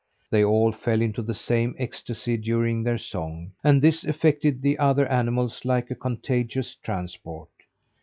They all fell into the same ecstasy during their song, and this affected the other animals like a contagious transport.